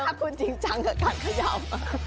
ถ้าคุณจริงจังกับการเขย่า